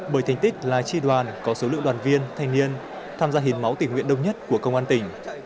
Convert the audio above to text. bởi thành tích là tri đoàn có số lượng đoàn viên thanh niên tham gia hiến máu tỉnh nguyện đông nhất của công an tỉnh